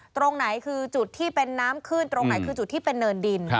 ตรงไหนคือจุดที่เป็นน้ำขึ้นตรงไหนคือจุดที่เป็นเนินดิน